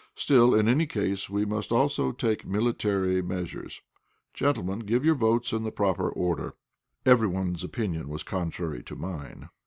"Still, in any case, we must also take military measures. Gentlemen, give your votes in proper order." Everyone's opinion was contrary to mine.